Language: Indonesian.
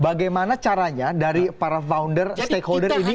bagaimana caranya dari para founder stakeholder ini